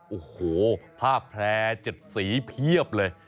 โอ้โหผ้าแพร่๗สีเพียบเลย